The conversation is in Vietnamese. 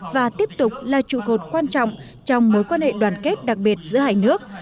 và tiếp tục là trụ cột quan trọng trong mối quan hệ đoàn kết đặc biệt giữa hai nước